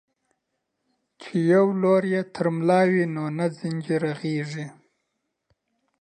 چي يو لور يې تر ملا وي، نه ځيني رغېږي.